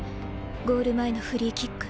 ゴール前のフリーキック。